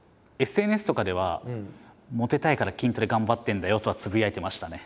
ＳＮＳとかではモテたいから筋トレ頑張ってるんだよとはつぶやいてましたね。